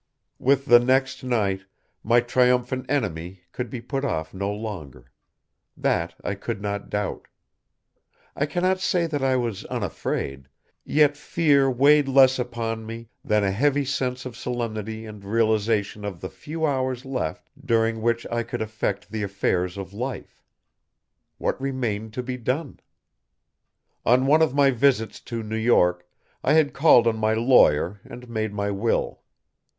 With the next night, my triumphant enemy could be put off no longer. That I could not doubt. I cannot say that I was unafraid, yet fear weighed less upon me than a heavy sense of solemnity and realization of the few hours left during which I could affect the affairs of life. What remained to be done? On one of my visits to New York, I had called on my lawyer and made my will.